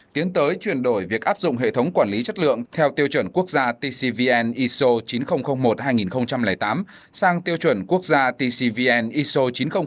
tiến tới chuyển đổi việc áp dụng hệ thống quản lý chất lượng theo tiêu chuẩn quốc gia tcvn iso chín nghìn một hai nghìn tám sang tiêu chuẩn quốc gia tcvn iso chín nghìn một hai nghìn một mươi năm